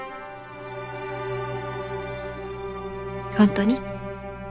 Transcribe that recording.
本当に？